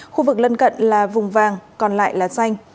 khu vực lân cận là vùng vàng còn lại là xanh